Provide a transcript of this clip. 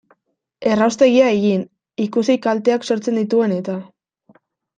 Erraustegia egin, ikusi kalteak sortzen dituen eta...